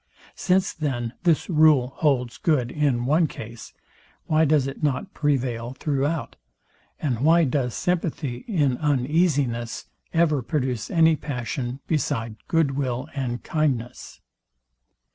Since then this rule holds good in one case, why does it not prevail throughout, and why does sympathy in uneasiness ever produce any passion beside good will and kindness?